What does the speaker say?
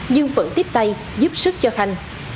nhưng vẫn tiếp tay giúp sức cho khanh